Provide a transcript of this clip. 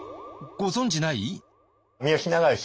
ご存じない？